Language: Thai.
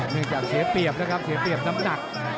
เนื่องจากเสียเปรียบนะครับเสียเปรียบน้ำหนัก